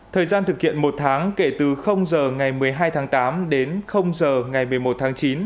thời gian thực hiện một tháng kể từ giờ ngày một mươi hai tháng tám đến giờ ngày một mươi một tháng chín